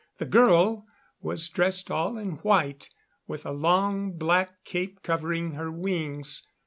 The girl was dressed all in white, with a long black cape covering her wings.